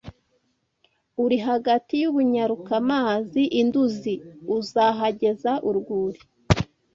Uri hagati y'u Bunyaruka-mazi i Nduzi uzahageza urwuri